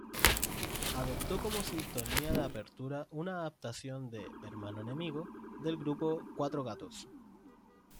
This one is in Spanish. Adoptó como sintonía de apertura una adaptación de "Hermano enemigo", del grupo Cuatro Gatos.